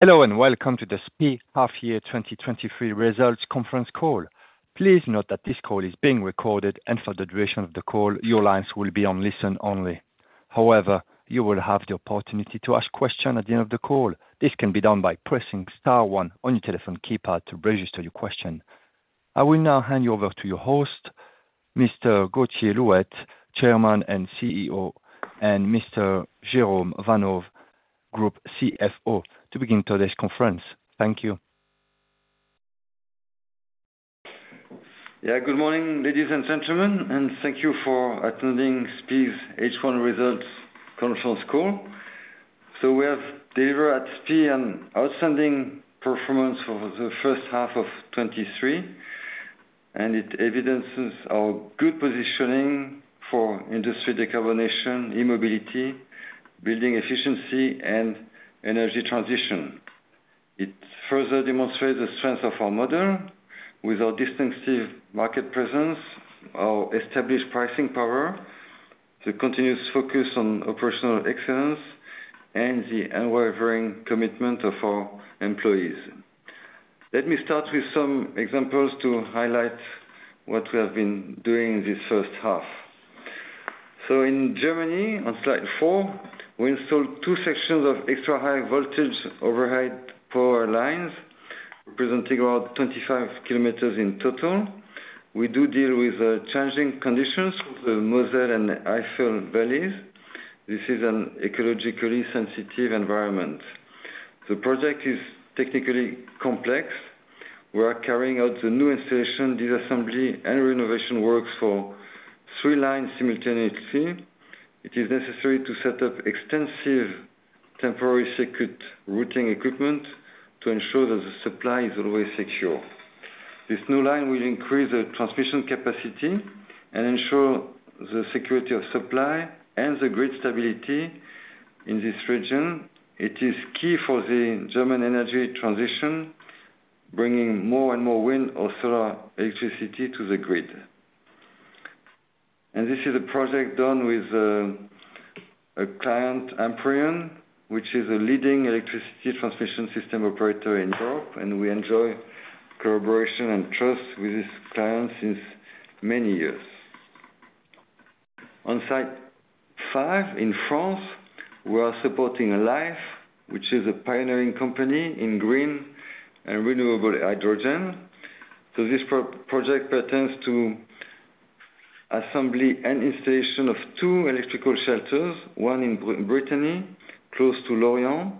Hello, welcome to the SPIE Half Year 2023 Results Conference Call. Please note that this call is being recorded, and for the duration of the call, your lines will be on listen-only. However, you will have the opportunity to ask questions at the end of the call. This can be done by pressing star one on your telephone keypad to register your question. I will now hand you over to your host, Mr. Gauthier Louette, Chairman and CEO, and Mr. Jérôme Vanhove, Group CFO, to begin today's conference. Thank you. Good morning, ladies and gentlemen, and thank you for attending SPIE's H1 Results Conference Call. We have delivered at SPIE an outstanding performance for the first half of 2023, and it evidences our good positioning for industry decarbonization, e-mobility, building efficiency, and energy transition. It further demonstrates the strength of our model with our distinctive market presence, our established pricing power, the continuous focus on operational excellence, and the unwavering commitment of our employees. Let me start with some examples to highlight what we have been doing this first half. In Germany, on slide 4, we installed two sections of extra high voltage overhead power lines, representing about 25 kilometers in total. We do deal with changing conditions with the Moselle and Eifel valleys. This is an ecologically sensitive environment. The project is technically complex. We are carrying out the new installation, disassembly, and renovation works for three lines simultaneously. It is necessary to set up extensive temporary circuit routing equipment to ensure that the supply is always secure. This new line will increase the transmission capacity and ensure the security of supply and the grid stability in this region. It is key for the German energy transition, bringing more and more wind or solar electricity to the grid. This is a project done with a client, Amprion, which is a leading electricity transmission system operator in Europe, and we enjoy collaboration and trust with this client since many years. On slide 5, in France, we are supporting Lhyfe, which is a pioneering company in green and renewable hydrogen. This project pertains to assembly and installation of two electrical shelters, one in Brittany, close to Lorient,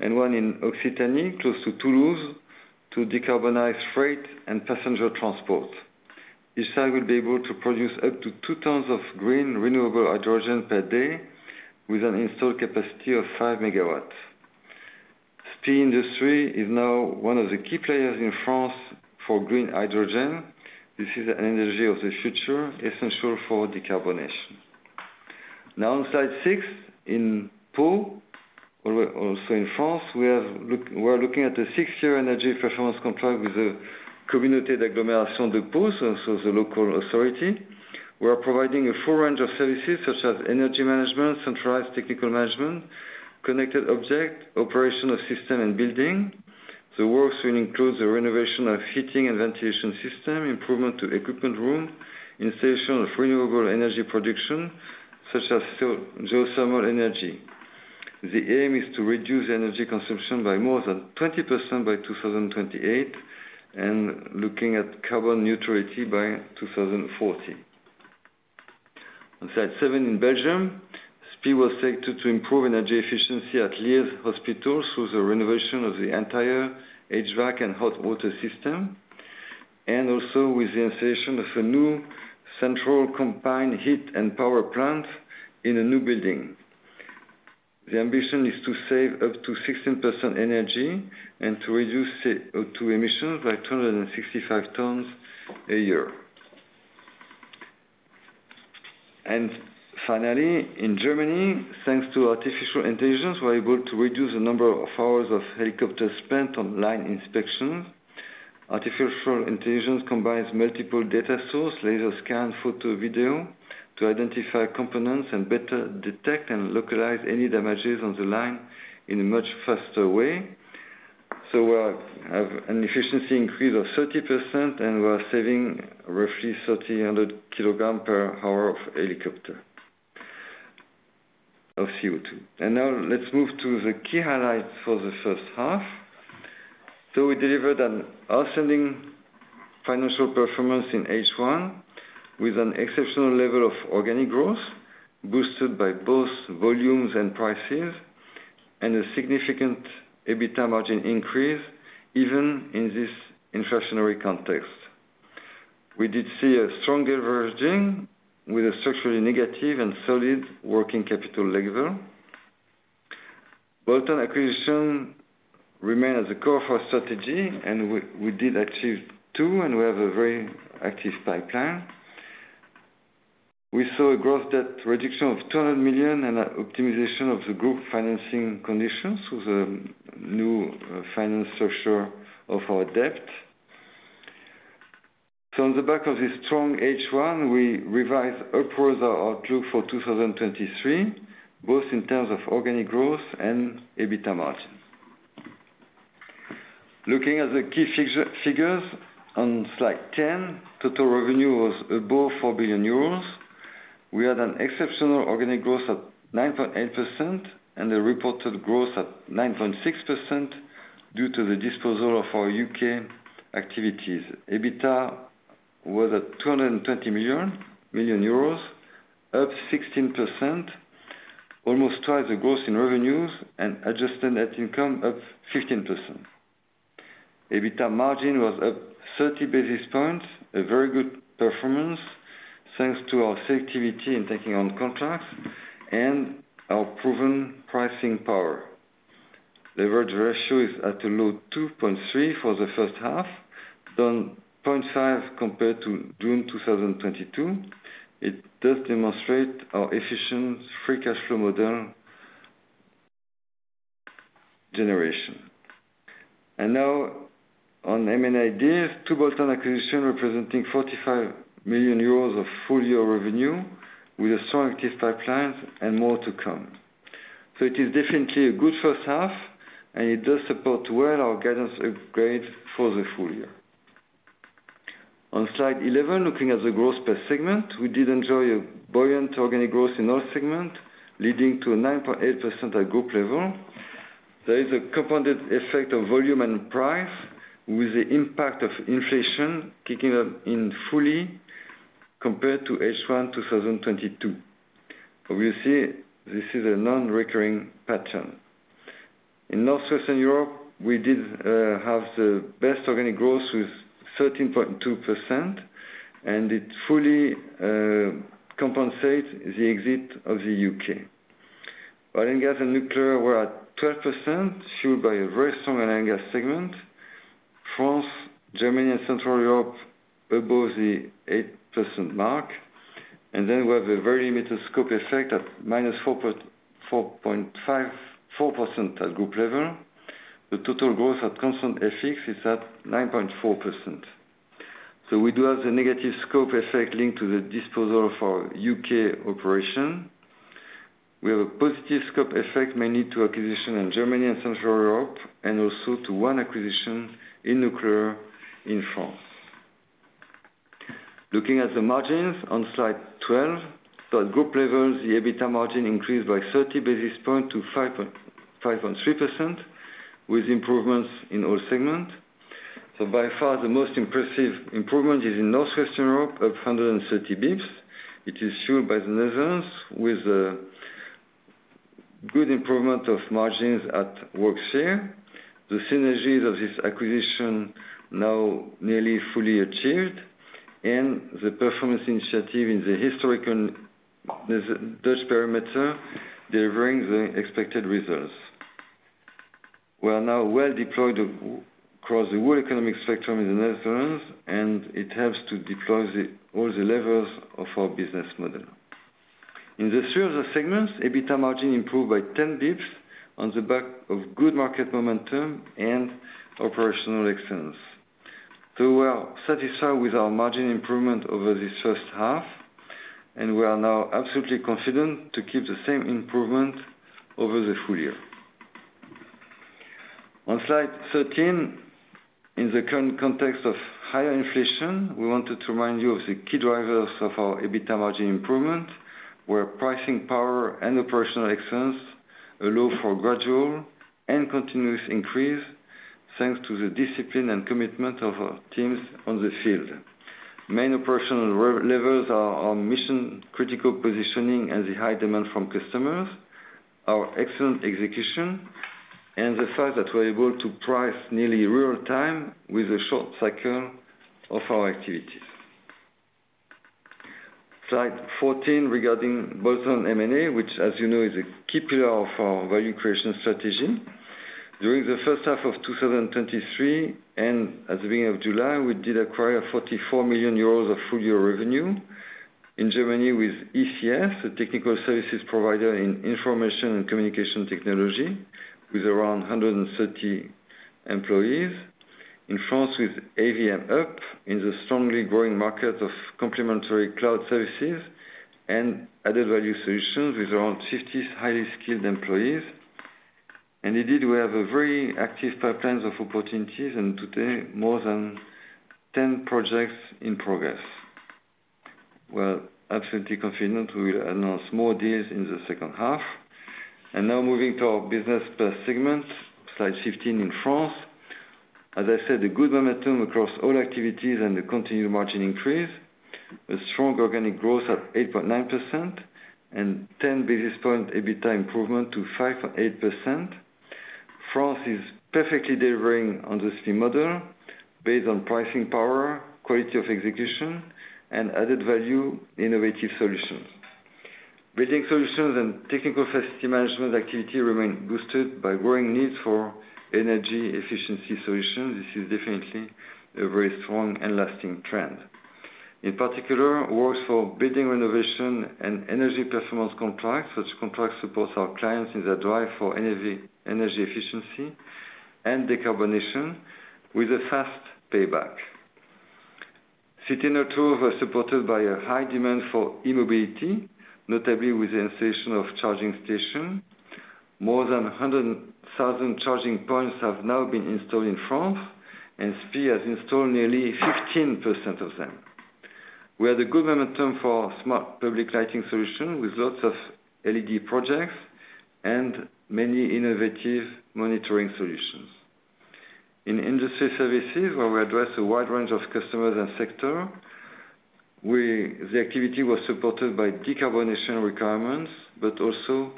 and one in Occitanie, close to Toulouse, to decarbonize freight and passenger transport. Each site will be able to produce up to two tons of green, renewable hydrogen per day, with an installed capacity of 5 MW. SPIE Industrie is now one of the key players in France for green hydrogen. This is an energy of the future, essential for decarbonization. Now, on slide 6, in Pau, also in France, we're looking at a six-year energy performance contract with the Communauté d'agglomération de Pau, so the local authority. We are providing a full range of services, such as energy management, centralized technical management, connected object, operational system, and building. The works will include the renovation of heating and ventilation system, improvement to equipment room, installation of renewable energy production, such as geothermal energy. The aim is to reduce energy consumption by more than 20% by 2028, looking at carbon neutrality by 2040. On slide 7, in Belgium, SPIE was selected to improve energy efficiency at Liege Hospital through the renovation of the entire HVAC and hot water system, also with the installation of a new central combined heat and power plant in a new building. The ambition is to save up to 16% energy and to reduce CO2 emissions by 265 tons a year. Finally, in Germany, thanks to artificial intelligence, we're able to reduce the number of hours of helicopter spent on line inspections. Artificial intelligence combines multiple data sources, laser scan, photo, video, to identify components and better detect and localize any damages on the line in a much faster way. We have an efficiency increase of 30%, and we are saving roughly 1,300 kg/hr of helicopter of CO2. Now let's move to the key highlights for the first half. We delivered an outstanding financial performance in H1, with an exceptional level of organic growth, boosted by both volumes and prices, and a significant EBITDA margin increase, even in this inflationary context. We did see a strong diverging, with a structurally negative and solid working capital level. bolt-on acquisition remained at the core of our strategy, and we did achieve two, and we have a very active pipeline. We saw a gross debt reduction of 200 million and optimization of the group financing conditions with a new finance structure of our debt. On the back of this strong H1, we revised upwards our outlook for 2023, both in terms of organic growth and EBITDA margin. Looking at the key figures on slide 10, total revenue was above 4 billion euros. We had an exceptional organic growth of 9.8%, and a reported growth at 9.6%, due to the disposal of our UK activities. EBITDA was at 220 million euros, up 16%, almost twice the growth in revenues, and adjusted net income up 15%. EBITDA margin was up 30 basis points, a very good performance, thanks to our selectivity in taking on contracts and our proven pricing power. Leverage ratio is at a low 2.3 for the first half, down 0.5 compared to June 2022. It does demonstrate our efficient free cash flow model generation. Now on M&A deals, two bolt-on acquisition representing 45 million euros of full year revenue, with a strong active pipeline and more to come. It is definitely a good first half, and it does support well our guidance upgrade for the full year. On slide 11, looking at the growth per segment, we did enjoy a buoyant organic growth in all segment, leading to a 9.8% at group level. There is a compounded effect of volume and price, with the impact of inflation kicking up in fully compared to H1 2022. Obviously, this is a non-recurring pattern. In Northwestern Europe, we did have the best organic growth with 13.2%. It fully compensate the exit of the U.K. Oil and gas and nuclear were at 12%, fueled by a very strong oil and gas segment. France, Germany, and Central Europe above the 8% mark. We have a very limited scope effect at -4% at group level. The total growth at constant FX is at 9.4%. We do have the negative scope effect linked to the disposal of our U.K. operation. We have a positive scope effect, mainly to acquisition in Germany and Central Europe, and also to one acquisition in nuclear in France. Looking at the margins on slide 12, the group level, the EBITDA margin increased by 30 basis points to 5.3%, with improvements in all segments. By far, the most impressive improvement is in Northwestern Europe, up 130 basis points. It is fueled by the Netherlands, with good improvement of margins at Worksphere. The synergies of this acquisition now nearly fully achieved, and the performance initiative in the historical Dutch perimeter, delivering the expected results. We are now well deployed across the whole economic spectrum in the Netherlands, and it helps to deploy all the levels of our business model. In the three other segments, EBITDA margin improved by 10 basis points on the back of good market momentum and operational excellence. We are satisfied with our margin improvement over this first half, and we are now absolutely confident to keep the same improvement over the full year. On slide 13, in the current context of higher inflation, we wanted to remind you of the key drivers of our EBITDA margin improvement, where pricing power and operational excellence allow for gradual and continuous increase, thanks to the discipline and commitment of our teams on the field. Main operational re- levels are our mission, critical positioning, and the high demand from customers, our excellent execution, and the fact that we're able to price nearly real time with the short cycle of our activities. Slide 14, regarding bolt-on M&A, which, as you know, is a key pillar of our value creation strategy. During the first half of 2023, and at the beginning of July, we did acquire 44 million euros of full-year revenue. In Germany with ECS, a technical services provider in information and communication technology, with around 130 employees. In France, with AVM Up, in the strongly growing market of complementary cloud services and added value solutions, with around 50 highly skilled employees. Indeed, we have a very active pipeline of opportunities, and today, more than 10 projects in progress. We are absolutely confident we will announce more deals in the second half. Now moving to our business per segment, slide 15 in France. As I said, a good momentum across all activities and a continued margin increase. A strong organic growth of 8.9% and 10 basis point EBITDA improvement to 5.8%. France is perfectly delivering on this new model, based on pricing power, quality of execution, and added value, innovative solutions. Building solutions and technical facility management activity remain boosted by growing needs for energy efficiency solutions. This is definitely a very strong and lasting trend. In particular, works for building renovation and energy performance contracts. Such contracts supports our clients in their drive for energy efficiency and decarbonization with a fast payback. City network was supported by a high demand for e-mobility, notably with the installation of charging station. More than 100,000 charging points have now been installed in France, and SPIE has installed nearly 15% of them. We have the good momentum for smart public lighting solution, with lots of LED projects and many innovative monitoring solutions. In industry services, where we address a wide range of customers and sector, the activity was supported by decarbonization requirements, but also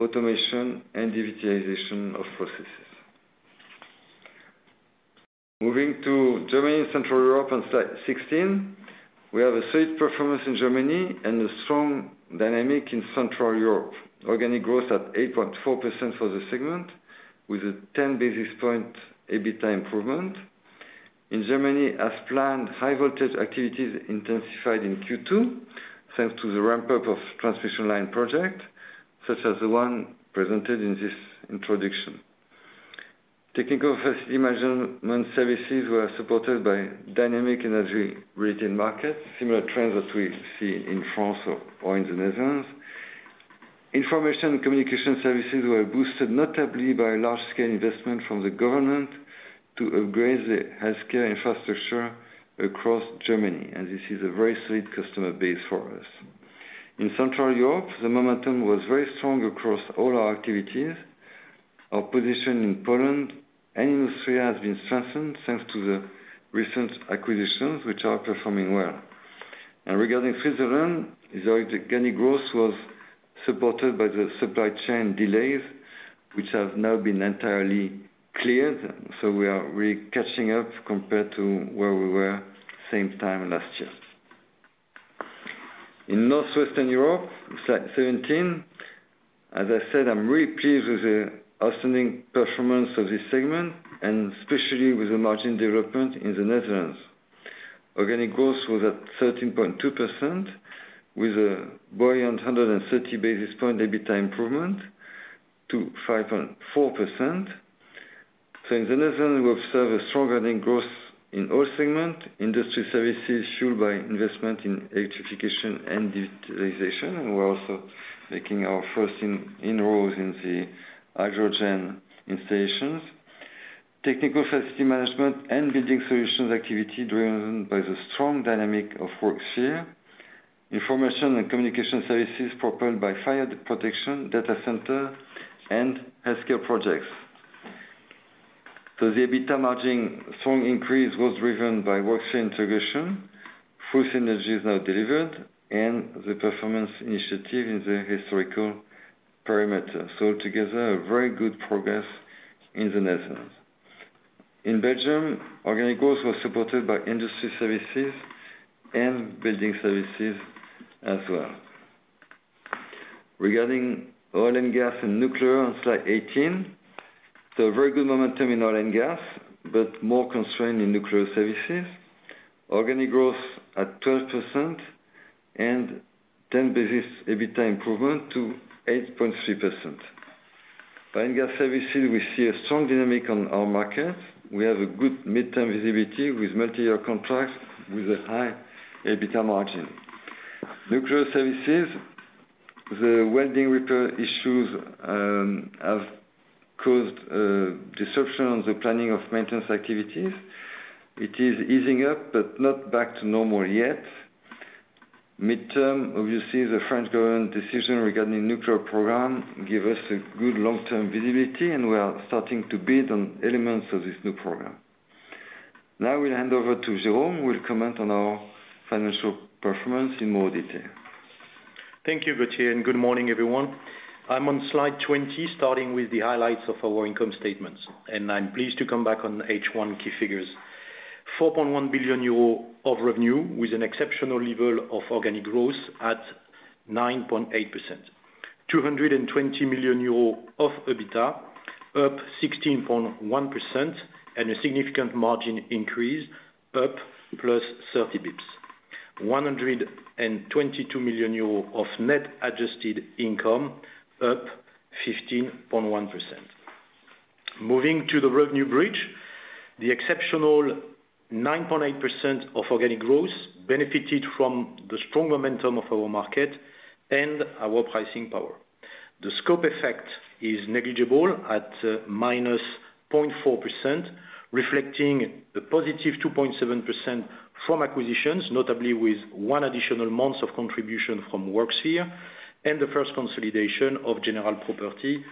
automation and digitalization of processes. Moving to Germany and Central Europe on slide 16, we have a solid performance in Germany and a strong dynamic in Central Europe. Organic growth at 8.4% for the segment, with a 10 basis point, EBITDA improvement. In Germany, as planned, high voltage activities intensified in Q2, thanks to the ramp-up of transmission line project, such as the one presented in this introduction. Technical Facility Management services were supported by dynamic energy retail markets, similar trends that we see in France or in the Netherlands. Information and communication services were boosted, notably by large-scale investment from the government to upgrade the healthcare infrastructure across Germany, and this is a very solid customer base for us. In Central Europe, the momentum was very strong across all our activities. Our position in Poland and Austria has been strengthened, thanks to the recent acquisitions, which are performing well. Regarding Switzerland, the organic growth was supported by the supply chain delays, which have now been entirely cleared, we are really catching up compared to where we were same time last year. In Northwestern Europe, slide 17, as I said, I'm really pleased with the outstanding performance of this segment, especially with the margin development in the Netherlands. Organic growth was at 13.2%, with a buoyant 130 basis point EBITDA improvement to 5.4%. In the Netherlands, we observe a strong earning growth in all segment, industry services fueled by investment in electrification and digitalization, we're also making our first inroads in the hydrogen installations. Technical facility management and building solutions activity driven by the strong dynamic of Worksphere. Information and communication services propelled by fire protection, data center, and healthcare projects. The EBITDA margin strong increase was driven by Worksphere integration, full synergy is now delivered, and the performance initiative in the historical perimeter. Together, a very good progress in the Netherlands. In Belgium, organic growth was supported by industry services and building services as well. Regarding oil and gas and nuclear on slide 18, very good momentum in oil and gas, but more constrained in nuclear services. Organic growth at 12% and 10 basis EBITDA improvement to 8.3%. By gas services, we see a strong dynamic on our market. We have a good midterm visibility with multi-year contracts with a high EBITDA margin. Nuclear services, the welding repair issues have caused disruption on the planning of maintenance activities. It is easing up, not back to normal yet. Midterm, obviously, the French government decision regarding nuclear program give us a good long-term visibility. We are starting to bid on elements of this new program. Now, I will hand over to Jérôme, who will comment on our financial performance in more detail. Thank you, Gauthier, good morning, everyone. I'm on slide 20, starting with the highlights of our income statements, I'm pleased to come back on H1 key figures. 4.1 billion euro of revenue, with an exceptional level of organic growth at 9.8%. 220 million euros of EBITDA, up 16.1%, a significant margin increase, up +30 BPS. 122 million euros of net adjusted income, up 15.1%. Moving to the revenue bridge, the exceptional 9.8% of organic growth benefited from the strong momentum of our market and our pricing power. The scope effect is negligible at -0.4%, reflecting the positive 2.7% from acquisitions, notably with one additional month of contribution from Worksphere and the first consolidation of general property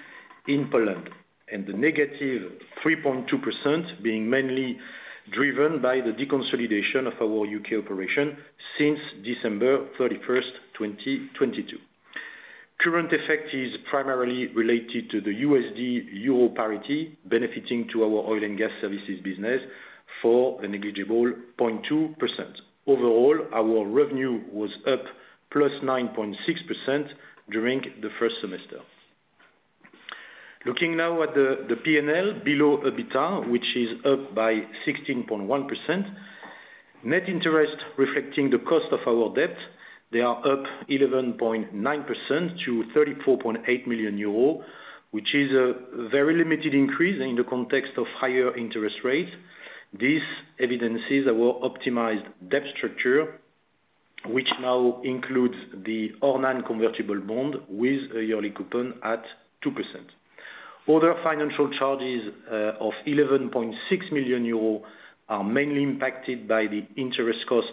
in Poland. The -3.2% being mainly driven by the deconsolidation of our UK operation since December 31st, 2022. Current effect is primarily related to the USD/EUR parity, benefiting to our oil and gas services business for the negligible 0.2%. Overall, our revenue was up +9.6% during the first semester. Looking now at the PNL below EBITDA, which is up by 16.1%. Net interest reflecting the cost of our debt, they are up 11.9% to 34.8 million euros, which is a very limited increase in the context of higher interest rates. This evidences our optimized debt structure, which now includes the ORNANE convertible bond with a yearly coupon at 2%. Other financial charges of 11.6 million euros are mainly impacted by the interest cost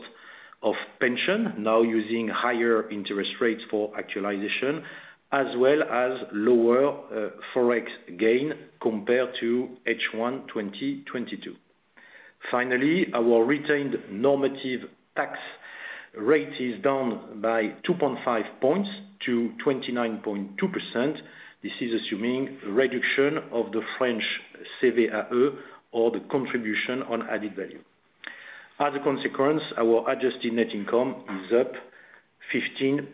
of pension, now using higher interest rates for actualization, as well as lower FX gain compared to H1 2022. Finally, our retained normative tax rate is down by 2.5 points to 29.2%. This is assuming reduction of the French CVA, or the contribution on added value. Our adjusted net income is up 15.1%.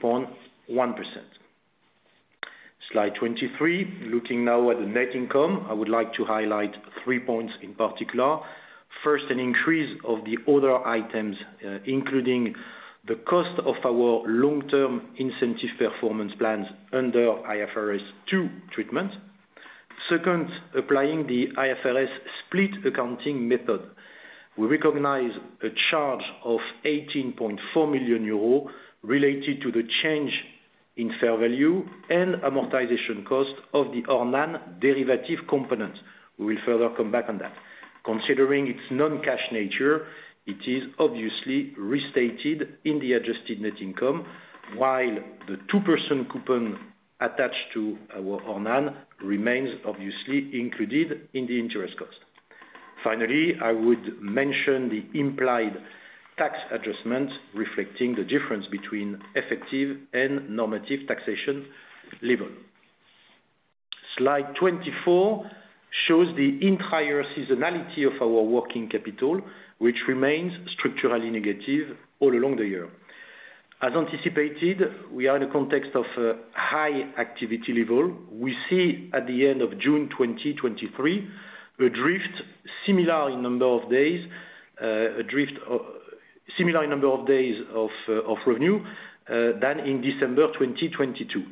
Slide 23. Looking now at the net income, I would like to highlight three points in particular. First, an increase of the other items, including the cost of our long-term incentive performance plans under IFRS 2 treatment. Second, applying the IFRS split accounting method. We recognize a charge of 18.4 million euros related to the change in fair value and amortization cost of the ORNANE derivative component. We will further come back on that. Considering its non-cash nature, it is obviously restated in the adjusted net income, while the 2% coupon attached to our ORNANE remains obviously included in the interest cost. Finally, I would mention the implied tax adjustment, reflecting the difference between effective and normative taxation level. Slide 24 shows the entire seasonality of our working capital, which remains structurally negative all along the year. As anticipated, we are in a context of high activity level. We see at the end of June 2023, a drift similar in number of days, a drift of similar number of days of revenue than in December 2022.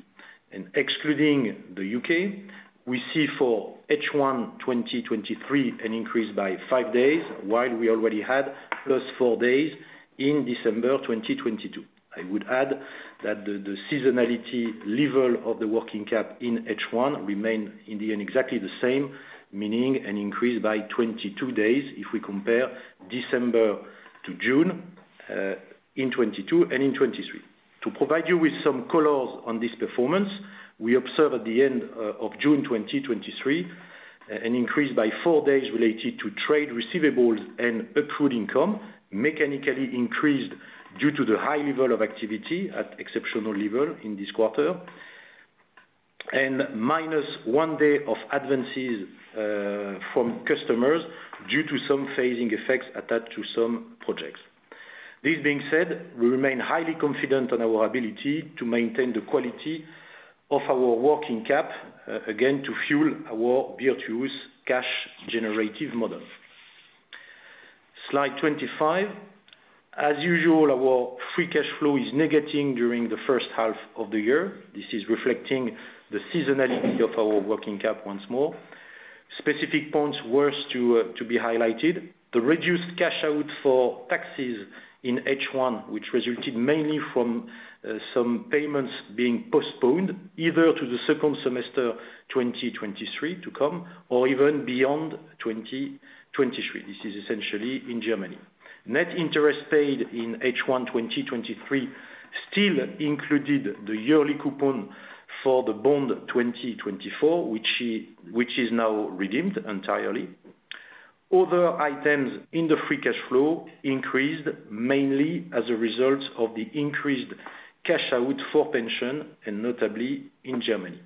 Excluding the U.K., we see for H1 2023 an increase by five days, while we already had +4 days in December 2022. I would add that the seasonality level of the working cap in H1 remain in the end exactly the same, meaning an increase by 22 days if we compare December to June in 2022 and in 2023. To provide you with some colors on this performance, we observe at the end of June 2023 an increase by four days related to trade receivables and accrued income, mechanically increased due to the high level of activity at exceptional level in this quarter. -1 day of advances from customers due to some phasing effects attached to some projects. This being said, we remain highly confident on our ability to maintain the quality of our working cap, again, to fuel our virtuous cash generative model. Slide 25. As usual, our free cash flow is negating during the first half of the year. This is reflecting the seasonality of our working cap once more. Specific points worth to be highlighted, the reduced cash out for taxes in H1, which resulted mainly from some payments being postponed either to the second semester 2023 to come, or even beyond 2023. This is essentially in Germany. Net interest paid in H1 2023 still included the yearly coupon for the Bond 2024, which is now redeemed entirely. Other items in the free cash flow increased mainly as a result of the increased cash out for pension. Notably in Germany.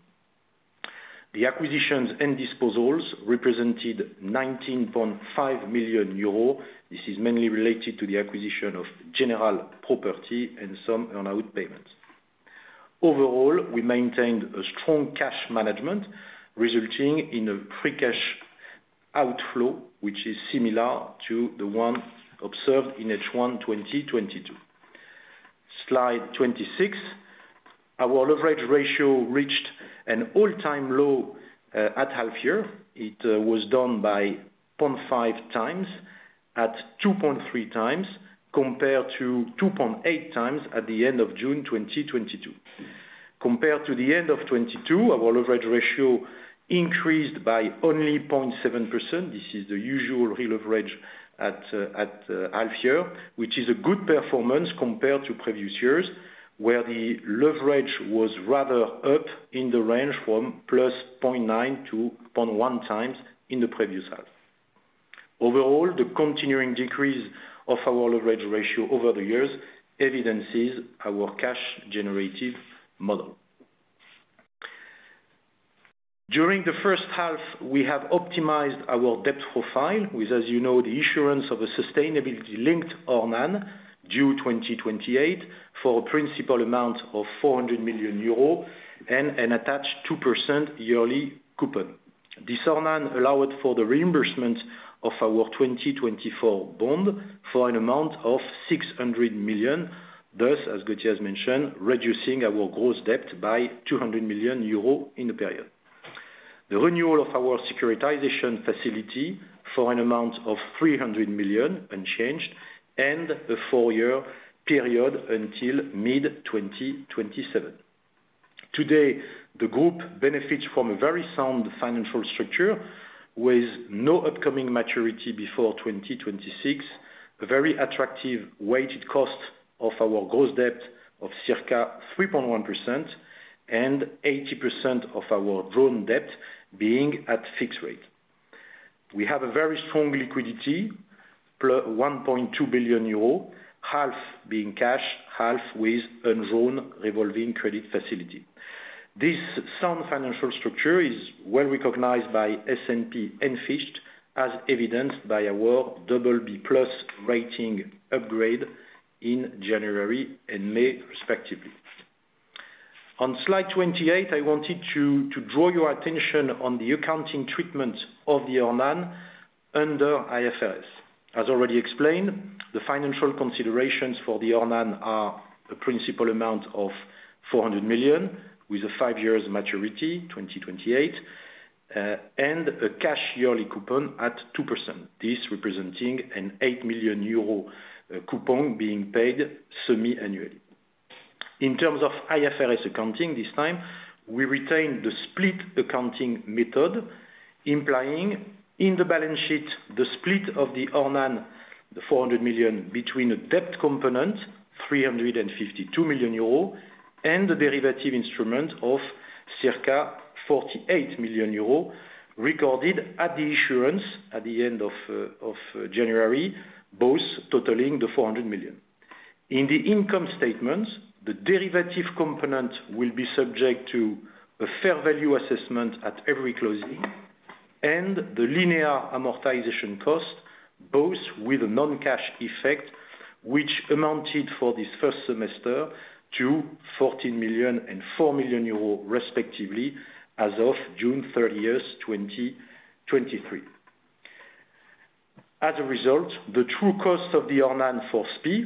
The acquisitions and disposals represented 19.5 million euros. This is mainly related to the acquisition of general property and some earn-out payments. Overall, we maintained a strong cash management, resulting in a free cash outflow, which is similar to the one observed in H1 2022. Slide 26. Our leverage ratio reached an all-time low at half year. It was done by 0.5x, at 2.3x, compared to 2.8x at the end of June 2022. Compared to the end of 2022, our leverage ratio increased by only 0.7%. This is the usual re-leverage at half year, which is a good performance compared to previous years, where the leverage was rather up in the range from +0.9x to 0.1x in the previous half. Overall, the continuing decrease of our leverage ratio over the years evidences our cash generative model. During the first half, we have optimized our debt profile with, as you know, the issuance of a sustainability-linked ORNANE, due 2028, for a principal amount of 400 million euro and an attached 2% yearly coupon. This ORNANE allowed for the reimbursement of our Bond 2024 for an amount of 600 million. As Gauthier has mentioned, reducing our gross debt by 200 million euros in the period. The renewal of our securitization facility for an amount of 300 million unchanged, and a four-year period until mid-2027. Today, the group benefits from a very sound financial structure with no upcoming maturity before 2026. A very attractive weighted cost of our gross debt of circa 3.1%. 80% of our loan debt being at fixed rate. We have a very strong liquidity, +1.2 billion euro, half being cash, half with undrawn revolving credit facility. This sound financial structure is well recognized by S&P and Fitch, as evidenced by our BB+ rating upgrade in January and May, respectively. On slide 28, I wanted to draw your attention on the accounting treatment of the ORNANE under IFRS. As already explained, the financial considerations for the ORNANE are a principal amount of 400 million, with a five years maturity, 2028, and a cash yearly coupon at 2%. This representing an 8 million euro coupon being paid semi-annually. In terms of IFRS accounting, this time, we retain the split accounting method, implying in the balance sheet the split of the ORNANE, the 400 million between a debt component, 352 million euro, and the derivative instrument of circa 48 million euro, recorded at the insurance at the end of January, both totaling the 400 million. In the income statement, the derivative component will be subject to a fair value assessment at every closing, and the linear amortization cost, both with a non-cash effect, which amounted for this first semester to 14 million and 4 million euros, respectively, as of June 30th, 2023. The true cost of the ORNANE for SPIE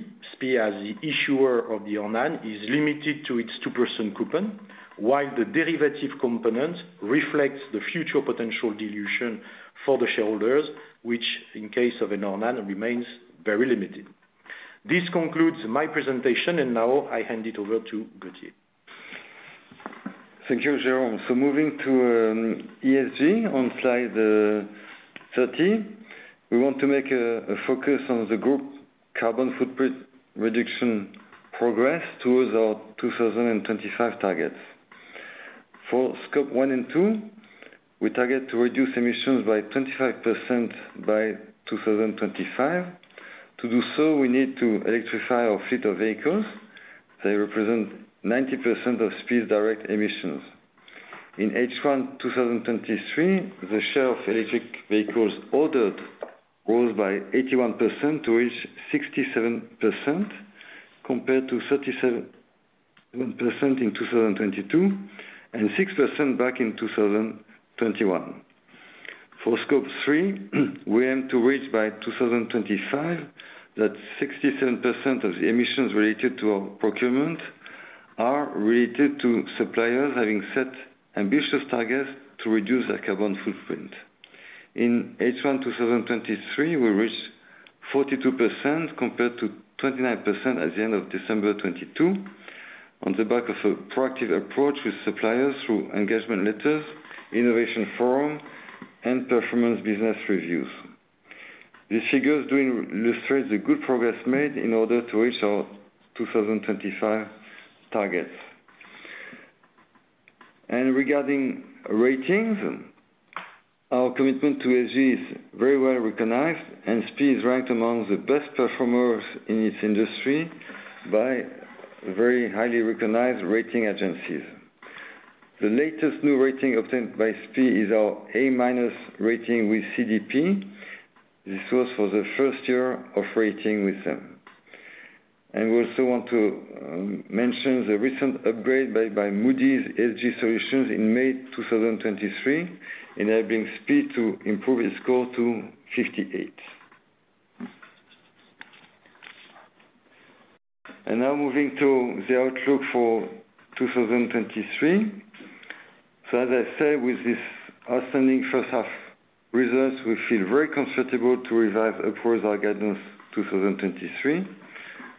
as the issuer of the ORNANE, is limited to its 2% coupon, while the derivative component reflects the future potential dilution for the shareholders, which in case of an ORNANE, remains very limited. This concludes my presentation. Now I hand it over to Gauthier. Thank you, Jérôme. Moving to ESG on slide 30, we want to make a focus on the group carbon footprint reduction progress towards our 2025 targets. For Scope 1 and 2, we target to reduce emissions by 25% by 2025. To do so, we need to electrify our fleet of vehicles. They represent 90% of SPIE's direct emissions. In H1 2023, the share of electric vehicles ordered rose by 81% to reach 67%, compared to 37% in 2022, and 6% back in 2021. For Scope 3, we aim to reach by 2025 that 67% of the emissions related to our procurement are related to suppliers having set ambitious targets to reduce their carbon footprint. In H1 2023, we reached 42%, compared to 29% at the end of December 2022, on the back of a proactive approach with suppliers through engagement letters, innovation forum, and performance business reviews. These figures do illustrate the good progress made in order to reach our 2025 targets. Regarding ratings, our commitment to ESG is very well recognized, and SPIE is ranked among the best performers in its industry by very highly recognized rating agencies. The latest new rating obtained by SPIE is our A- rating with CDP. This was for the first year of rating with them. We also want to mention the recent upgrade by Moody's ESG Solutions in May 2023, enabling SPIE to improve its score to 58. Now moving to the outlook for 2023. As I said, with this outstanding first half results, we feel very comfortable to revise upwards our guidance 2023.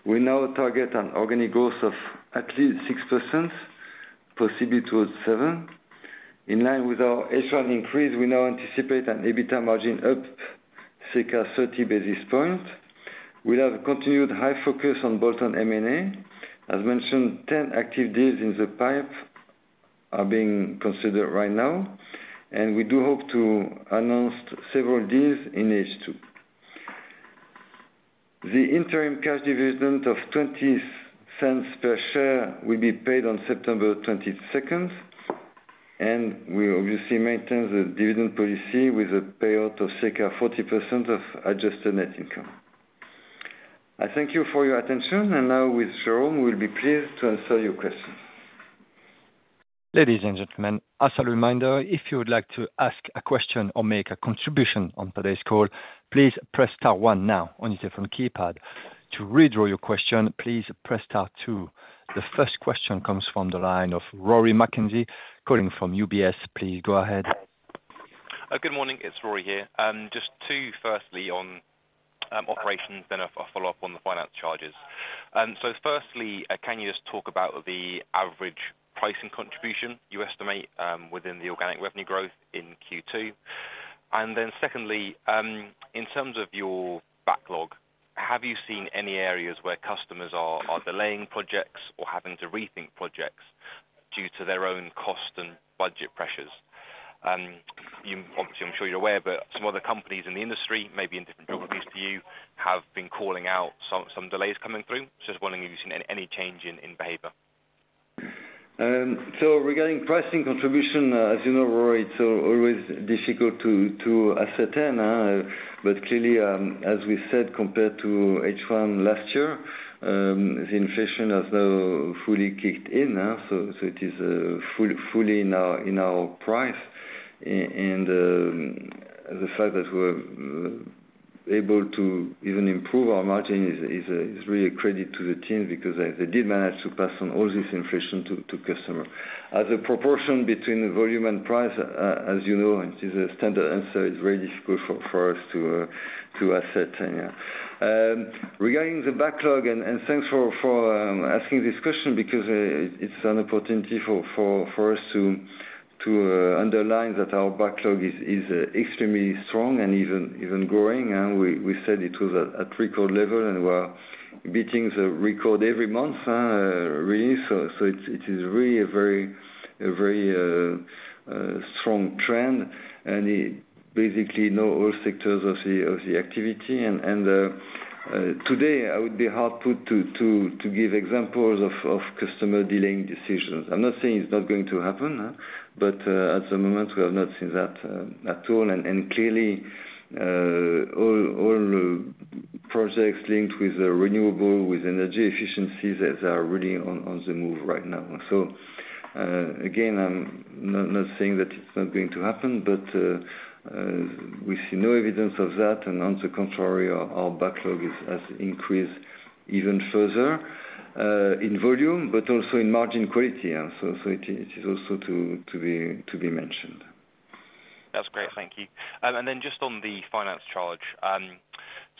We now target an organic growth of at least 6%, possibly towards 7%. In line with our H1 increase, we now anticipate an EBITDA margin up circa 30 basis points. We have continued high focus on bolt-on M&A. As mentioned, 10 active deals in the pipe are being considered right now, and we do hope to announce several deals in H2. The interim cash dividend of 0.20 per share will be paid on September 22nd, and we obviously maintain the dividend policy with a payout of circa 40% of adjusted net income. I thank you for your attention, and now with Jérôme, we'll be pleased to answer your questions. Ladies and gentlemen, as a reminder, if you would like to ask a question or make a contribution on today's call, please press star one now on your phone keypad. To redraw your question, please press star two. The first question comes from the line of Rory McKenzie, calling from UBS. Please go ahead. Good morning, it's Rory here. Just two, firstly, on operations, then a follow-up on the finance charges. Firstly, can you just talk about the average pricing contribution you estimate within the organic revenue growth in Q2? Secondly, in terms of your backlog, have you seen any areas where customers are delaying projects or having to rethink projects due to their own cost and budget pressures? You obviously, I'm sure you're aware, but some other companies in the industry, maybe in different geographies to you, have been calling out some delays coming through. Just wondering if you've seen any change in behavior. Regarding pricing contribution, as you know, Rory, it's always difficult to ascertain. Clearly, as we said, compared to H1 last year, the inflation has now fully kicked in, so it is fully in our price. The fact that we're able to even improve our margin is really a credit to the team, because they did manage to pass on all this inflation to customer. As a proportion between volume and price, as you know, it is a standard answer, it's very difficult for us to ascertain, yeah. Regarding the backlog, and thanks for asking this question because it's an opportunity for us to underline that our backlog is extremely strong and even growing. We said it was at record level, and we are beating the record every month, really. It is really a very strong trend, and it basically now all sectors of the activity. Today, I would be hard put to give examples of customer delaying decisions. I'm not saying it's not going to happen, but at the moment, we have not seen that at all. Clearly, all projects linked with renewable, with energy efficiencies are really on the move right now. Again, I'm not saying that it's not going to happen, but we see no evidence of that. On the contrary, our backlog has increased even further in volume, but also in margin quality. So it is also to be mentioned. That's great. Thank you. Just on the finance charge,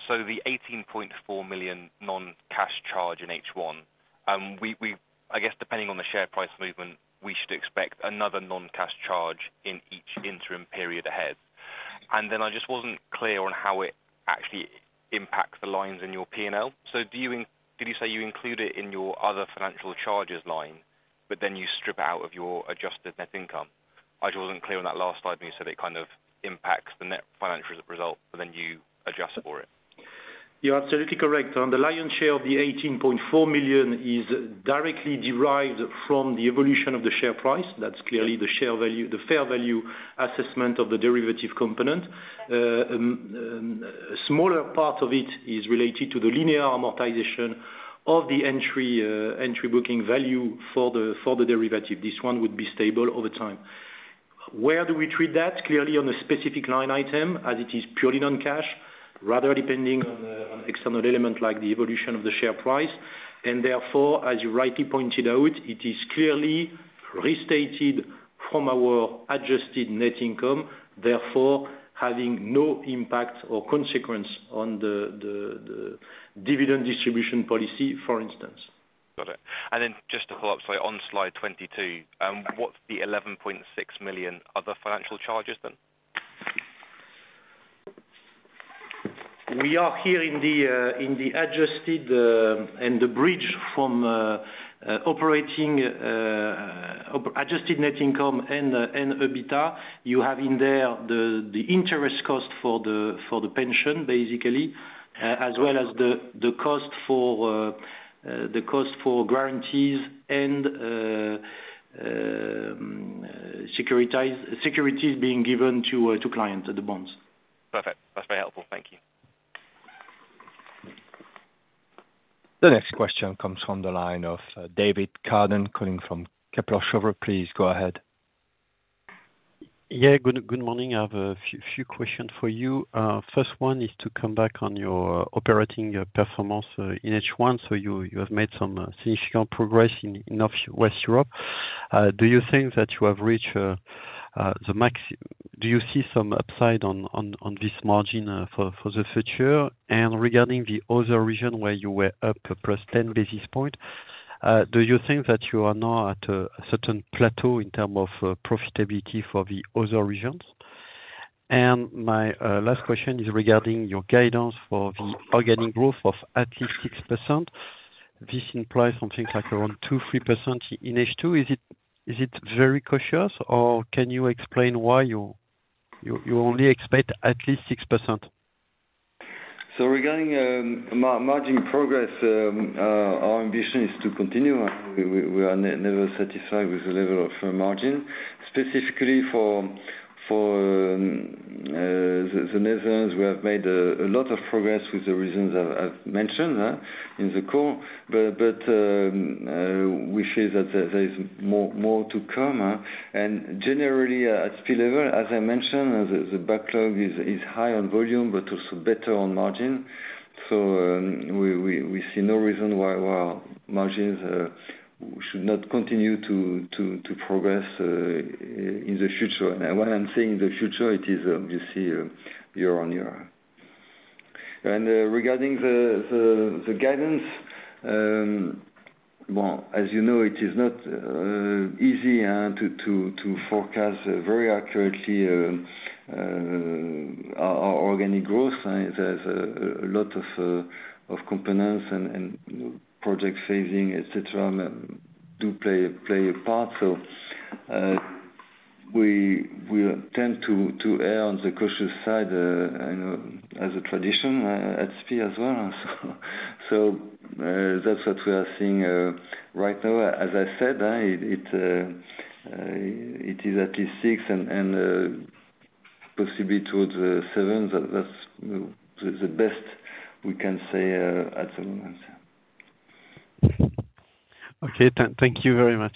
so the 18.4 million non-cash charge in H1, I guess depending on the share price movement, we should expect another non-cash charge in each interim period ahead. I just wasn't clear on how it actually impacts the lines in your PNL. Do you did you say you include it in your other financial charges line, you strip out of your adjusted net income? I just wasn't clear on that last slide when you said it kind of impacts the net financial result, you adjust for it. You're absolutely correct. On the lion's share of the 18.4 million is directly derived from the evolution of the share price. That's clearly the share value, the fair value assessment of the derivative component. A smaller part of it is related to the linear amortization of the entry booking value for the derivative. This one would be stable over time. Where do we treat that? Clearly on a specific line item, as it is purely non-cash, rather depending on external element like the evolution of the share price. Therefore, as you rightly pointed out, it is clearly restated from our adjusted net income, therefore having no impact or consequence on the dividend distribution policy, for instance. Got it. Just to follow up, sorry, on slide 22, what's the 11.6 million other financial charges then? We are here in the adjusted and the bridge from operating adjusted net income and EBITDA. You have in there the interest cost for the pension, basically, as well as the cost for the cost for guarantees and securities being given to clients, the bonds. Perfect. That's very helpful. Thank you. The next question comes from the line of David Cerdan, calling from Kepler Cheuvreux. Please go ahead. Good morning. I have a few questions for you. First one is to come back on your operating performance in H1. You have made some significant progress in North West Europe. Do you think that you have reached do you see some upside on this margin for the future? Regarding the other region where you were up +10 basis points, do you think that you are now at a certain plateau in term of profitability for the other regions? My last question is regarding your guidance for the organic growth of at least 6%. This implies something like around 2%-3% in H2. Is it very cautious, or can you explain why you only expect at least 6%? Regarding margin progress, our ambition is to continue. We are never satisfied with the level of margin, specifically for the Netherlands, we have made a lot of progress with the reasons I've mentioned in the call. We see that there is more to come. Generally, at SPIE level, as I mentioned, the backlog is high on volume, but also better on margin. We see no reason why our margins should not continue to progress in the future. When I'm saying the future, it is, you see, year-on-year. Regarding the guidance, well, as you know, it is not easy to forecast very accurately our organic growth. There's a lot of components and project saving, et cetera, do play a part. We tend to err on the cautious side, you know, as a tradition at SPIE as well. That's what we are seeing right now. As I said, it is at least six and possibly towards seven. That's the best we can say at the moment. Okay. Thank you very much.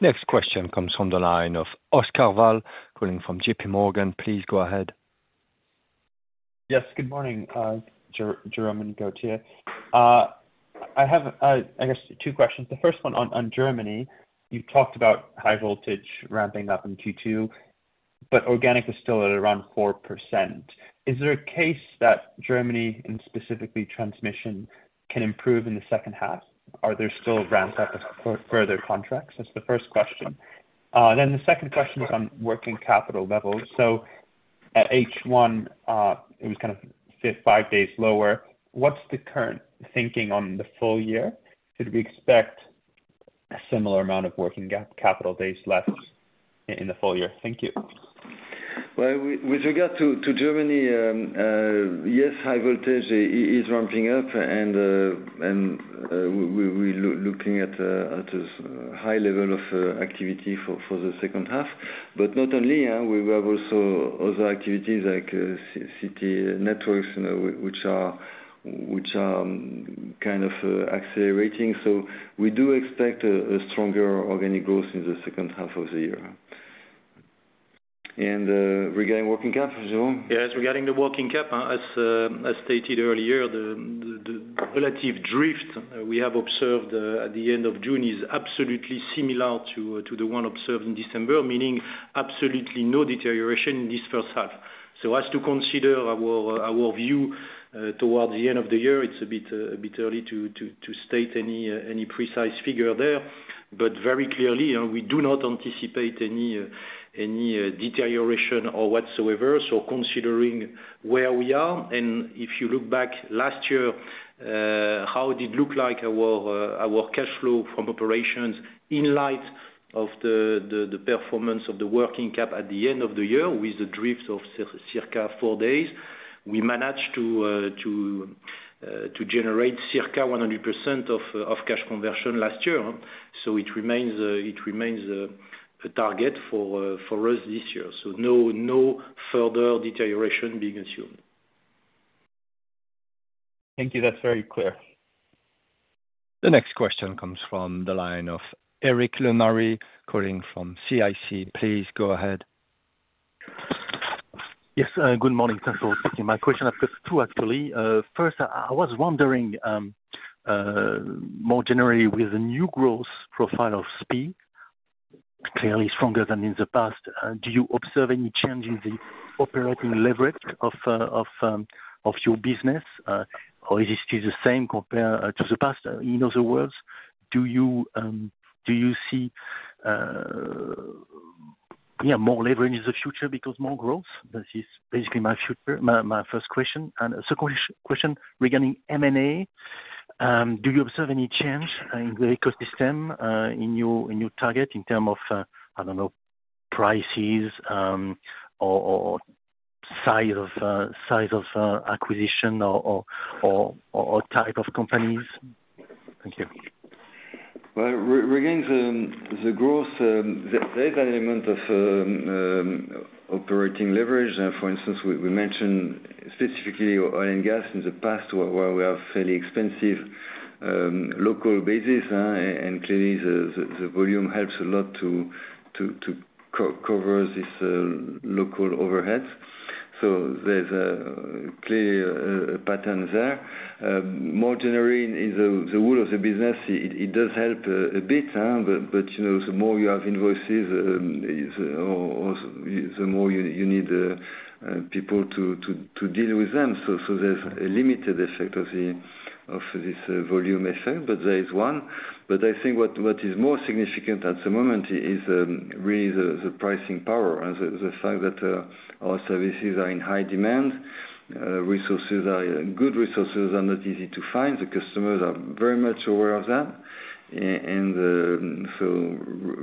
Next question comes from the line of Oscar Val, calling from JPMorgan. Please go ahead. Yes. Good morning, Jérôme and Gauthier. I have, I guess two questions. The first one on Germany, you've talked about high voltage ramping up in Q2, but organic is still at around 4%. Is there a case that Germany, and specifically transmission, can improve in the second half? Are there still ramps up for further contracts? That's the first question. The second question is on working capital levels. At H1, it was kind of five days lower. What's the current thinking on the full year? Should we expect a similar amount of working gap capital days left in the full year? Thank you. Well, with regard to Germany, yes, high voltage is ramping up, and we looking at a high level of activity for the second half. Not only, we have also other activities like city networks, you know, which are kind of accelerating. We do expect a stronger organic growth in the second half of the year. Regarding working cap, Jérôme? Yes, regarding the working cap, as stated earlier, the relative drift, we have observed, at the end of June is absolutely similar to the one observed in December, meaning absolutely no deterioration in this first half. As to consider our view, towards the end of the year, it's a bit, a bit early to state any precise figure there. Very clearly, you know, we do not anticipate any deterioration or whatsoever. Considering where we are, and if you look back last year, how it looked like our cash flow from operations in light of the performance of the working cap at the end of the year, with the drift of circa four days, we managed to generate circa 100% of cash conversion last year. It remains a target for us this year. No further deterioration being assumed. Thank you. That's very clear. The next question comes from the line of Eric Lemarié, calling from CIC. Please go ahead. Yes, good morning. Thank you. My question, I guess, two actually. First, I was wondering, more generally, with the new growth profile of SPIE, clearly stronger than in the past, do you observe any changes in operating leverage of your business? Or is this still the same compared to the past? In other words, do you see, yeah, more leverage in the future because more growth? This is basically my first question. Second question, regarding M&A, do you observe any change in the ecosystem, in your target in term of, I don't know, prices, or size of acquisition or type of companies? Thank you. Regarding the growth, there's an element of operating leverage. For instance, we mentioned specifically oil and gas in the past, where we have fairly expensive local basis, and clearly, the volume helps a lot to cover this local overhead. There's clearly a pattern there. More generally, in the role of the business, it does help a bit, but, you know, the more you have invoices, or the more you need people to deal with them. There's a limited effect of this volume effect, but there is one... I think what is more significant at the moment is really the pricing power and the fact that our services are in high demand, resources are, good resources are not easy to find. The customers are very much aware of that.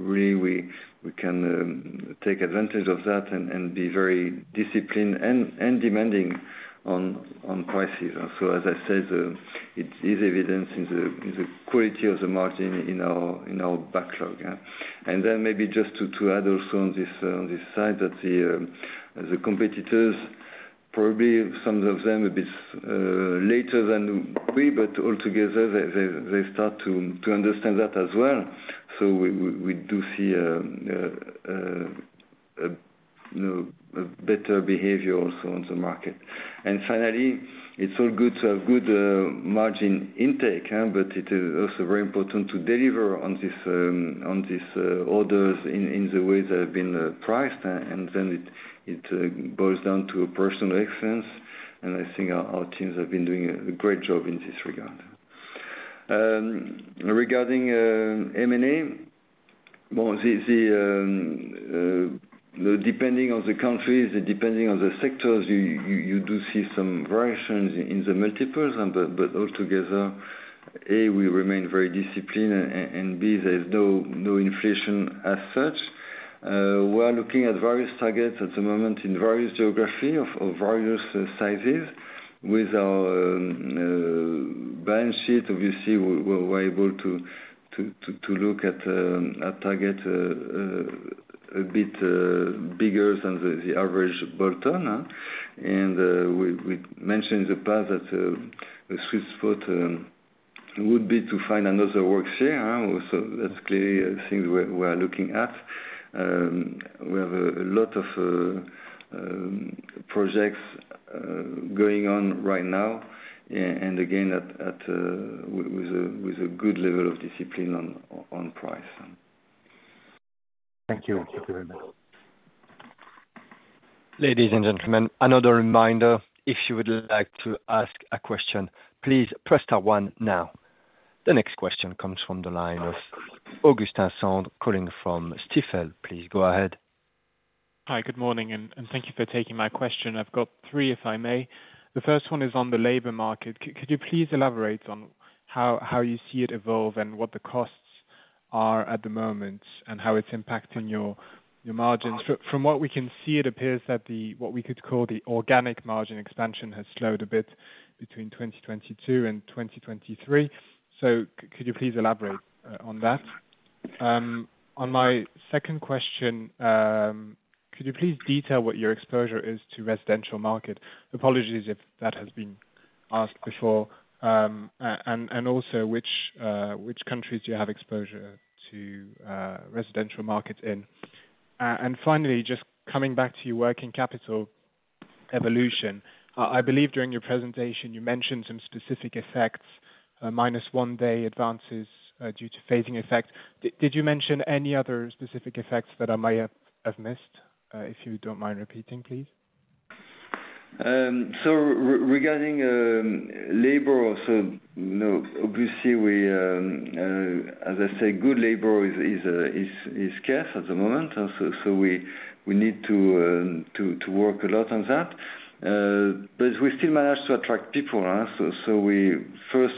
Really, we can take advantage of that and be very disciplined and demanding on prices. As I said, it is evident in the quality of the margin in our backlog, yeah. Maybe just to add also on this side, that the competitors, probably some of them a bit later than we, but altogether, they start to understand that as well. We do see a better behavior also on the market. Finally, it's all good to have good margin intake, but it is also very important to deliver on this orders in the way they have been priced, then it goes down operational excellence, and I think our teams have been doing a great job in this regard. Regarding M&A, well, the depending on the countries, depending on the sectors, you do see some variations in the multiples, but altogether, A, we remain very disciplined, and B, there's no inflation as such. We're looking at various targets at the moment in various geographies of various sizes. With our balance sheet, obviously, we're able to look at a target a bit bigger than the average bolt-on, huh? We mentioned in the past that the sweet spot would be to find another work share, huh? That's clearly a thing we're looking at. We have a lot of projects going on right now, and again, at a good level of discipline on price. Thank you. Thank you very much. Ladies and gentlemen, another reminder, if you would like to ask a question, please press star one now. The next question comes from the line of Augustin Cendre, calling from Stifel. Please go ahead. Hi, good morning, and thank you for taking my question. I've got three, if I may. The first one is on the labor market. Could you please elaborate on how you see it evolve and what the costs are at the moment, and how it's impacting your margins? From what we can see, it appears that the, what we could call the organic margin expansion, has slowed a bit between 2022 and 2023. Could you please elaborate on that? On my second question, could you please detail what your exposure is to residential market? Apologies if that has been asked before. And also, which countries do you have exposure to residential market in? And finally, just coming back to your working capital evolution, I believe during your presentation you mentioned some specific effects, -1 day advances, due to phasing effects. Did you mention any other specific effects that I might have missed, if you don't mind repeating, please? Regarding labor, you know, obviously we, as I say, good labor is scarce at the moment. We need to work a lot on that. But we still manage to attract people, huh? We first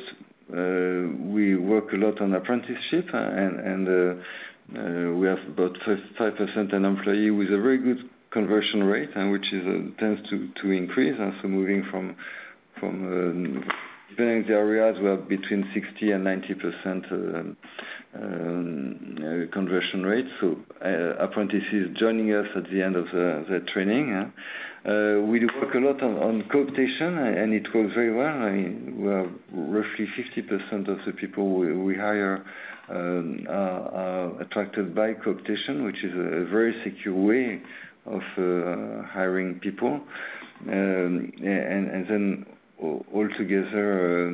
work a lot on apprenticeship, and we have about 5% an employee with a very good conversion rate, and which tends to increase. Moving from, depending on the areas, we have between 60% and 90% conversion rate, so apprentices joining us at the end of the training, huh? We work a lot on competition, and it works very well. I mean, we have roughly 50% of the people we hire, are attracted by competition, which is a very secure way of hiring people. Then altogether,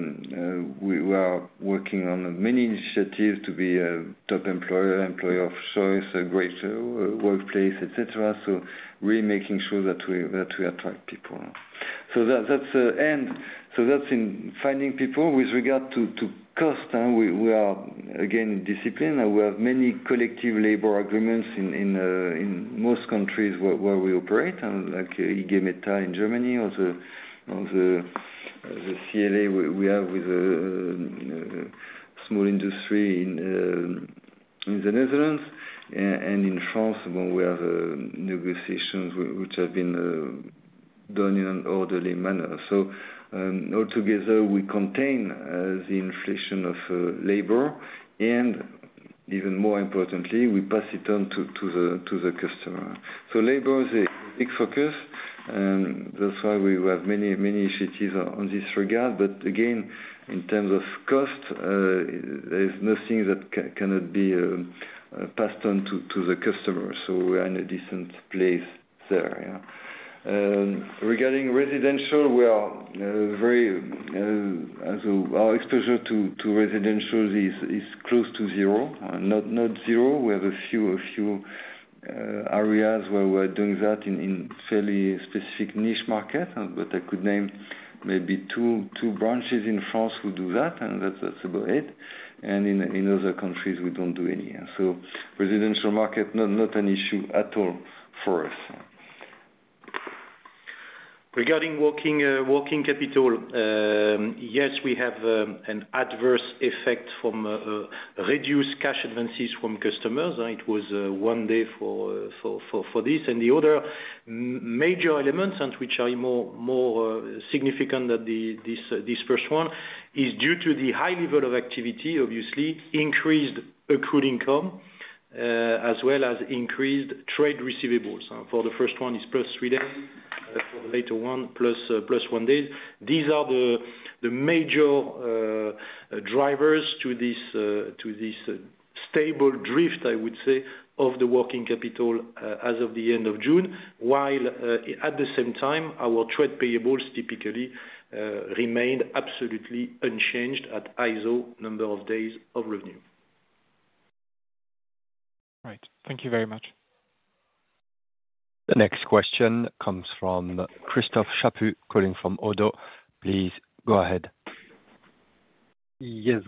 we are working on many initiatives to be a top employer of choice, a great workplace, et cetera. Really making sure that we attract people. That's end, so that's in finding people. With regard to cost, we are again, disciplined, and we have many collective labor agreements in most countries where we operate, like IG Metall in Germany, or the CLA we have with small industry in the Netherlands. In France, where we have negotiations which have been done in an orderly manner. Altogether, we contain the inflation of labor, even more importantly, we pass it on to the customer. Labor is a big focus, and that's why we have many initiatives on this regard. Again, in terms of cost, there's nothing that cannot be passed on to the customer, we are in a decent place there, yeah. Regarding residential, we are very, as our exposure to residential is close to zero, not zero. We have a few areas where we're doing that in fairly specific niche market, I could name maybe two branches in France who do that, and that's about it. In other countries, we don't do any. Residential market, not an issue at all for us. Regarding working capital, yes, we have an adverse effect from reduced cash advances from customers. It was one day for this. The other major elements, which are more significant than this first one, is due to the high level of activity, obviously, increased accrued income, as well as increased trade receivables. For the first one, is +3 days, for the later one, +1 day. These are the major drivers to this stable drift, I would say, of the working capital as of the end of June, while at the same time, our trade payables typically remained absolutely unchanged at ISO number of days of revenue. Right. Thank you very much. The next question comes from Christophe Chaput, calling from ODDO. Please go ahead. Yes.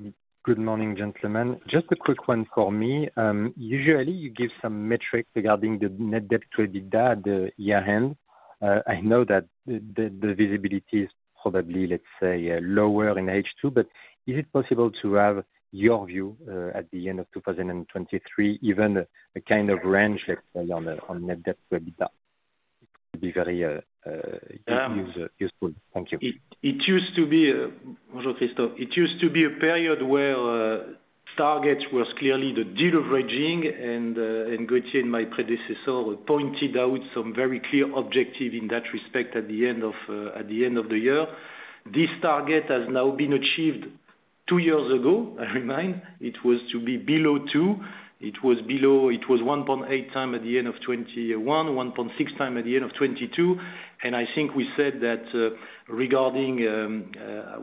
Good morning, gentlemen. Just a quick one for me. Usually, you give some metrics regarding the net debt to EBITDA at the year-end. I know that the visibility is probably, let's say, lower in H2, but is it possible to have your view at the end of 2023, even a kind of range, let's say, on net debt to EBITDA? It would be very useful. Thank you. It used to be, Christophe. It used to be a period where target was clearly the deleveraging, and Gauthier, my predecessor, pointed out some very clear objective in that respect at the end of the year. This target has now been achieved two years ago, I remind. It was to be below two. It was 1.8x at the end of 2021, 1.6x at the end of 2022, and I think we said that regarding,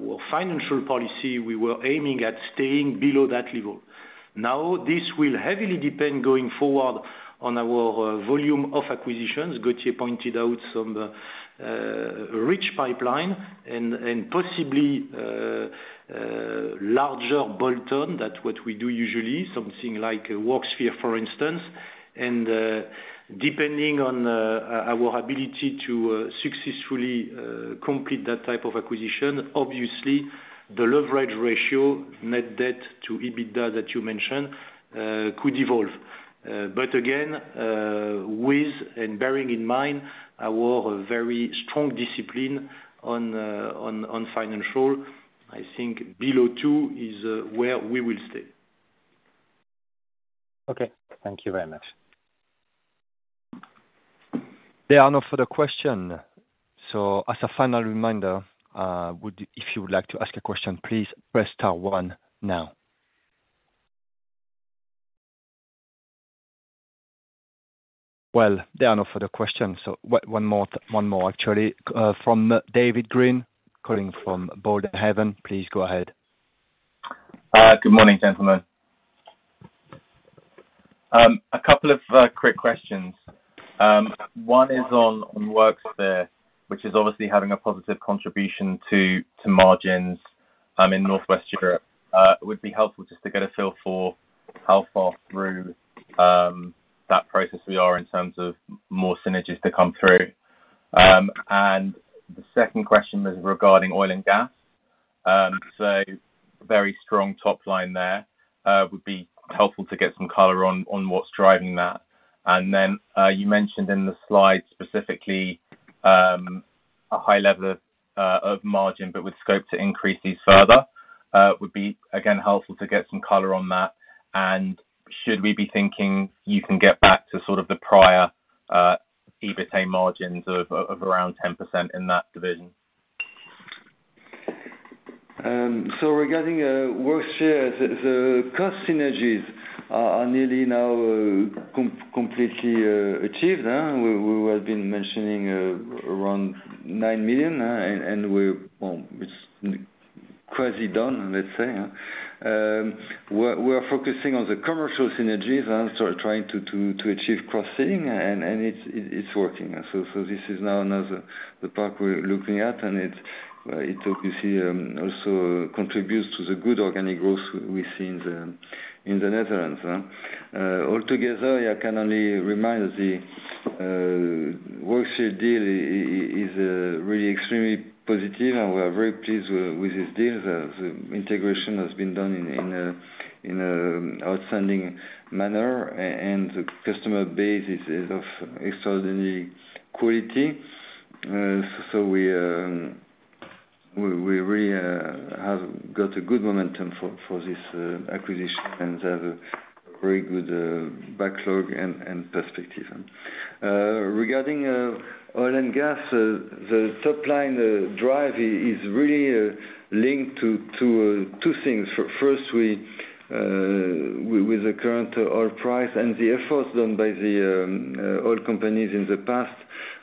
well, financial policy, we were aiming at staying below that level. Now, this will heavily depend, going forward, on our volume of acquisitions. Gauthier pointed out some rich pipeline and possibly larger bolt-on. That's what we do usually, something like a Worksphere, for instance. Depending on our ability to successfully complete that type of acquisition, obviously, the leverage ratio, net debt to EBITDA that you mentioned, could evolve. Again, with and bearing in mind, our very strong discipline on financial, I think below two is where we will stay. Okay. Thank you very much. There are no further questions. As a final reminder, if you would like to ask a question, please press star one now. There are no further questions. One more, actually, from David Green, calling from Boldhaven. Please go ahead. Good morning, gentlemen. A couple of quick questions. One is on Worksphere, which is obviously having a positive contribution to margins in Northwest Europe. It would be helpful just to get a feel for how far through that process we are in terms of more synergies to come through. The second question was regarding oil and gas. Very strong top line there. Would be helpful to get some color on what's driving that. You mentioned in the slide specifically a high level of margin, but with scope to increase these further, would be again helpful to get some color on that. Should we be thinking you can get back to sort of the prior EBITDA margins of around 10% in that division? So regarding Worksphere, the cost synergies are nearly now completely achieved, huh? We have been mentioning around 9 million, well, it's quasi done, let's say, huh? We're focusing on the commercial synergies and sort of trying to achieve cross-selling, and it's working. This is now another, the part we're looking at, and it obviously also contributes to the good organic growth we see in the Netherlands, huh? Altogether, I can only remind the Worksphere deal is really extremely positive, and we are very pleased with this deal. The integration has been done in a outstanding manner, and the customer base is of extraordinary quality. We really have got a good momentum for this acquisition and have a very good backlog and perspective. Regarding oil and gas, the top line drive is really linked to two things. First, we with the current oil price and the efforts done by the oil companies.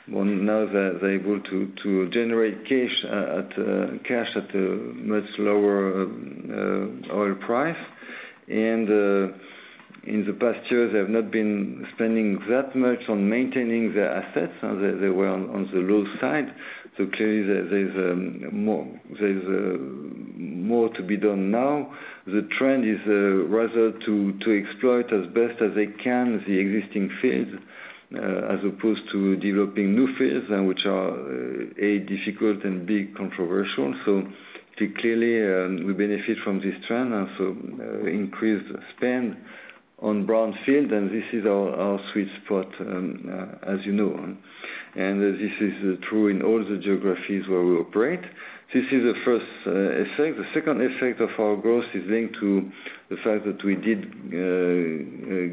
Well, now they're able to generate cash at a much lower oil price. In the past year, they have not been spending that much on maintaining their assets. They were on the low side. Clearly there's more, there's more to be done now. The trend is rather to exploit as best as they can, the existing fields, as opposed to developing new fields, and which are, A, difficult, and B, controversial. Clearly, we benefit from this trend, and so increased spend on brownfield, and this is our sweet spot, as you know. This is true in all the geographies where we operate. This is the first effect. The second effect of our growth is linked to the fact that we did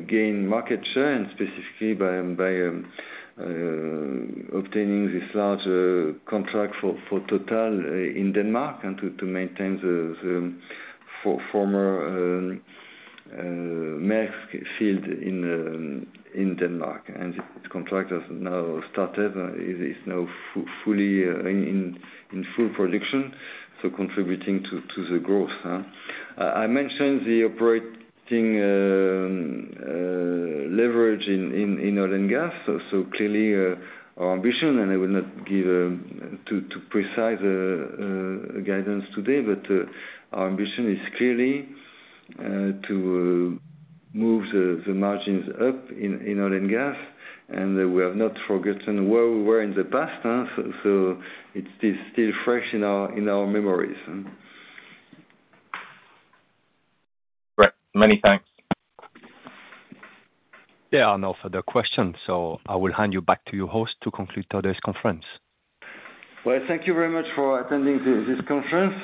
gain market share, and specifically by obtaining this large contract for TotalEnergies in Denmark, and to maintain the former Maersk field in Denmark. This contract has now started, it is now fully in full production, so contributing to the growth. I mentioned the operating leverage in oil and gas. Clearly, our ambition, and I will not give too precise guidance today, but our ambition is clearly to move the margins up in oil and gas. We have not forgotten where we were in the past, huh, so it's still fresh in our memories. Right. Many thanks. There are no further questions. I will hand you back to your host to conclude today's conference. Well, thank you very much for attending this conference.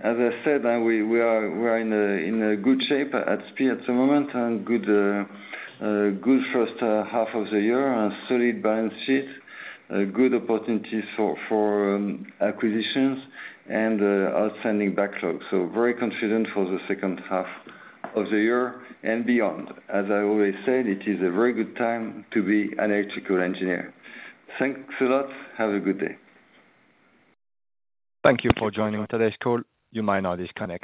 As I said, we are in a good shape at SPIE at the moment, and good first half of the year, and solid balance sheet. Good opportunities for acquisitions and outstanding backlog. Very confident for the second half of the year and beyond. As I always said, it is a very good time to be an electrical engineer. Thanks a lot. Have a good day. Thank you for joining today's call. You may now disconnect.